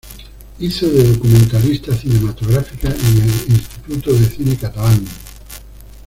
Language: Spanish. Hizo de documentalista cinematográfica en el Instituto de Cine Catalán.